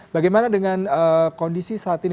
bagaimana dengan kondisi saat ini